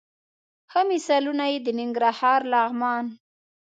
ښه مثالونه یې د ننګرهار، لغمان،